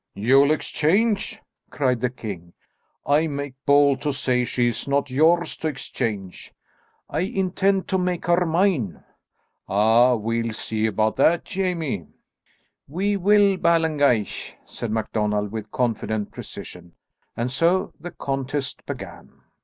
"You'll exchange!" cried the king. "I make bold to say she is not yours to exchange." "I intend to make her mine." "Ah, we'll see about that, Jamie." "We will, Ballengeich," said MacDonald with confident precision. And so the contest began.